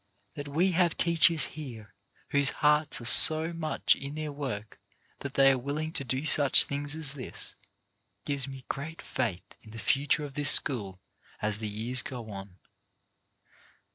That we have teachers here whose hearts are so much in their work that they are willing to do such things as this gives me great faith in the future of this school as the years go on.